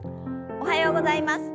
おはようございます。